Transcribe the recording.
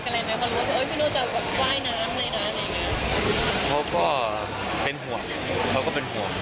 เขารู้ว่าเอ้ยพี่โน่จะแบบว่ายน้ำในด้านอะไรไหมเขาก็เป็นห่วงเขาก็เป็นห่วง